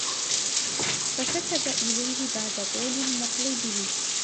فَكَتَبَ إلَيْهِ بَعْدَ طُولِ الْمَطْلِ بِهِ